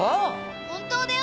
本当だよ。